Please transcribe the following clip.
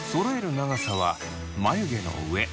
長さは眉毛の上。